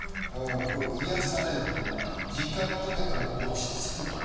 癒されるとか、時間をかけても落ち着くとか。